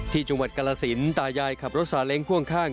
จังหวัดกรสินตายายขับรถสาเล้งพ่วงข้าง